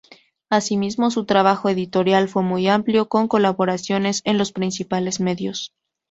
Asimismo su trabajo editorial fue muy amplio con colaboraciones en los principales medios.